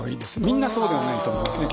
みんなそうではないと思いますね。